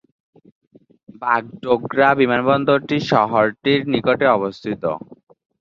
বাগডোগরা বিমানবন্দরটি শহরটির নিকটেই অবস্থিত।